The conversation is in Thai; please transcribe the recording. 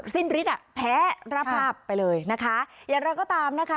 สิ้นฤทธิอ่ะแพ้ราภาพไปเลยนะคะอย่างไรก็ตามนะคะ